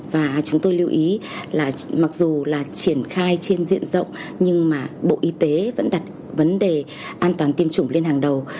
và chúng tôi lưu ý là mặc dù là triển khai trên diện rộng nhưng mà bộ y tế vẫn đặt vấn đề an toàn tiêm chủng lên hàng đầu